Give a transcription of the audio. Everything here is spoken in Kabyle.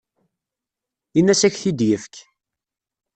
Ini-as ad ak-t-id-yefk.